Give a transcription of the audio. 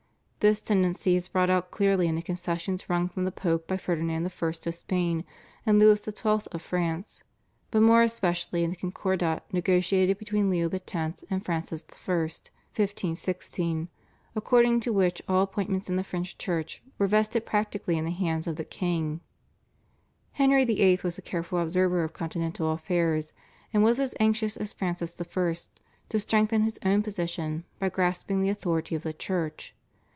This tendency is brought out clearly in the concessions wrung from the Pope by Ferdinand I. of Spain and Louis XII. of France, but more especially in the Concordat negotiated between Leo X. and Francis I. (1516), according to which all appointments in the French Church were vested practically in the hands of the king. Henry VIII. was a careful observer of Continental affairs and was as anxious as Francis I. to strengthen his own position by grasping the authority of the Church.